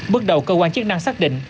bước đầu cơ quan chức năng xác định